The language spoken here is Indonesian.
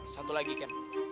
satu lagi ken